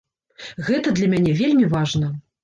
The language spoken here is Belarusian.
Гэта для мяне вельмі важна.